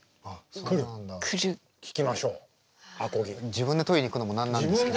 自分で取りに行くのも何なんですけど。